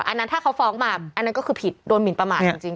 อันนั้นถ้าเขาฟ้องมาอันนั้นก็คือผิดโดนหมินประมาทจริง